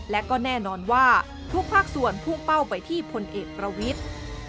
และก็แน่นอนว่าทุกภาคส่วนพุ่งเป้าไปที่พลเอกประวิทธิ์